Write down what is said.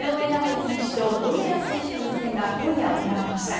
尚弥選手とドネア選手の一戦が今夜行われました。